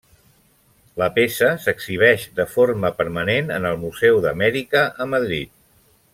La peça s'exhibeix de forma permanent en el Museu d'Amèrica a Madrid.